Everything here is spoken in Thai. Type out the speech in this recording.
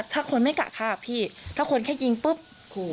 เธอจะคัดค้างการประกันตัวถึงที่สุด